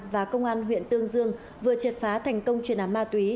và công an huyện tương dương vừa triệt phá thành công chuyên án ma túy